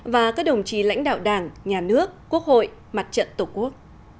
và các đồng chí lãnh đạo đảng nhà nước quốc hội mặt trận tổ quốc